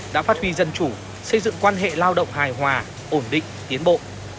đã phát huy dân chủ xây dựng quan hệ lao động hài hòa ổn định tiến bộ